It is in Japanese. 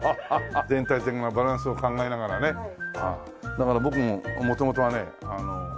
だから僕も元々はねあの。